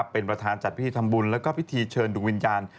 เป็นประธานจัดพิธีทำบุญแล้วก็พิธีเชิญดวงวิญญาณ